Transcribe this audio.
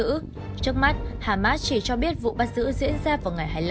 trước mắt hamas chỉ cho biết vụ bắt giữ diễn ra vào ngày hai mươi năm